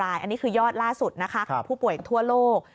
อันนี้คือยอดล่าสุดนะคะของผู้ป่วยทั่วโลก